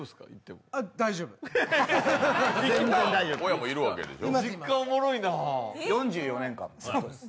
親もいるわけでしょう？